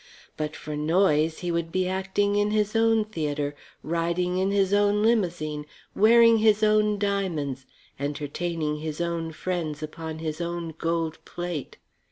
But for Noyes he would be acting in his own theatre, riding in his own limousine, wearing his own diamonds, entertaining his own friends upon his own gold plate.